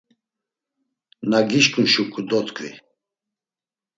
Na gişǩun şuǩu dot̆ǩvi.